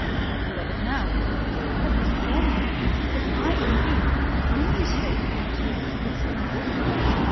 "I love it now." "But before me: if I, indeed, in any respect come up to your difficult standard?"